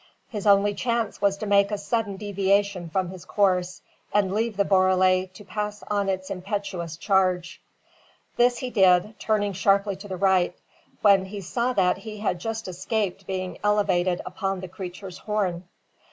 His only chance was to make a sudden deviation from his course, and leave the borele to pass on in its impetuous charge. This he did, turning sharply to the right, when he saw that he had just escaped being elevated upon the creature's horn.